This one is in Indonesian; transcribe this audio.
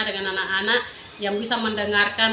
dengan anak anak yang bisa mendengarkan